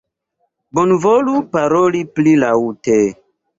Bonvolu paroli pli laŭte!